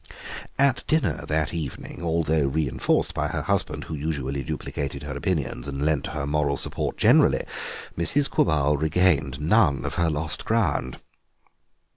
At dinner that evening, although reinforced by her husband, who usually duplicated her opinions and lent her moral support generally, Mrs. Quabarl regained none of her lost ground.